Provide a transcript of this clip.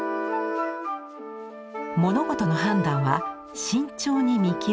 「物事の判断は慎重に見極めよ」。